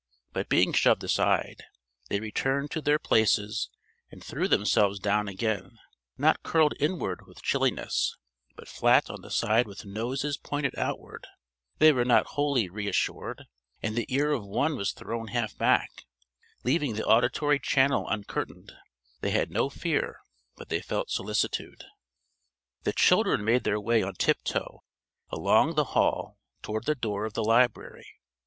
But being shoved aside, they returned to their places and threw themselves down again not curled inward with chilliness, but flat on the side with noses pointed outward: they were not wholly reassured, and the ear of one was thrown half back, leaving the auditory channel uncurtained: they had no fear, but they felt solicitude. The children made their way on tiptoe along the hall toward the door of the library.